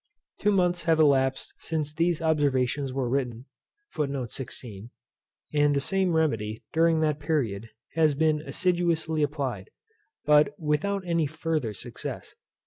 Two months have elapsed since these observations were written, and the same remedy, during that period, has been assiduously applied, but without any further success.